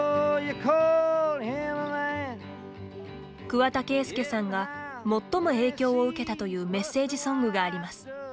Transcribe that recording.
桑田佳祐さんが最も影響を受けたというメッセージソングがあります。